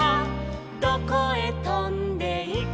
「どこへとんでいくのか」